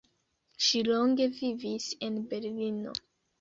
Ŝi longe vivis en Berlino.